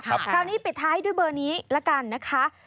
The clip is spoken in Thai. คราวนี้ปิดท้ายด้วยเบอร์นี้ละกันนะคะ